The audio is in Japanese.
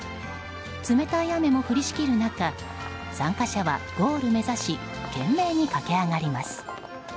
冷たい雨も降りしきる中参加者はゴール目指し懸命に駆け上がります。